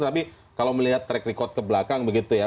tapi kalau melihat track record ke belakang begitu ya